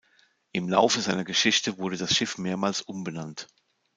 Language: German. Im Laufe seiner Geschichte wurde das Schiff mehrmals umbenannt.